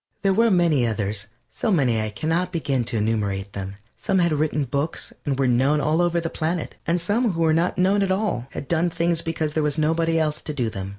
There were many others, so many I can not begin to enumerate them. Some had written books and were known all over the planet, and some who were not known at all had done things because there was nobody else to do them.